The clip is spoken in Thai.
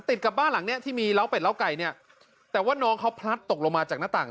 ติดกับบ้านหลังเนี้ยที่มีเล้าเป็ดล้าไก่เนี่ยแต่ว่าน้องเขาพลัดตกลงมาจากหน้าต่าง